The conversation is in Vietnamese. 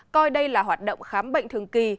coi đây là hoạt động khám bệnh thường kỳ